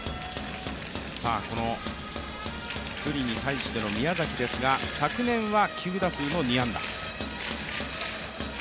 この九里に対しての宮崎ですが、昨年は９打数２安打。